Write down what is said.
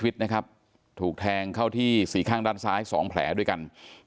ถูกแทงเข้าที่สี่ข้างด้านซ้าย๒แผลด้วยกัน